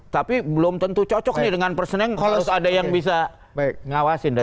tapi belum tentu cocok dengan person yang harus ada yang bisa ngawasin